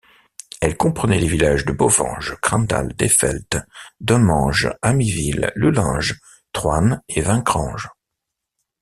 Elle comprenait les villages de Boevange, Crendal, Deiffelt, Doennange, Hamiville, Lullange, Troine et Wincrange.